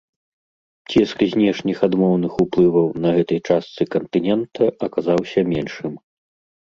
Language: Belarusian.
Ціск знешніх адмоўных уплываў на гэтай частцы кантынента аказаўся меншым.